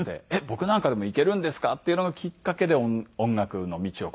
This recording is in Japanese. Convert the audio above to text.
僕なんかでも行けるんですか？」っていうのがきっかけで音楽の道を目指し始めましたね。